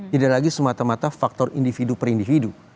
tidak lagi semata mata faktor individu per individu